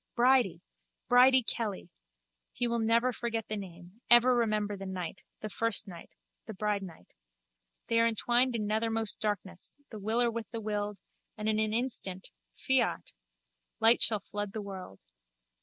Bridie! Bridie Kelly! He will never forget the name, ever remember the night: first night, the bridenight. They are entwined in nethermost darkness, the willer with the willed, and in an instant (fiat!) light shall flood the world.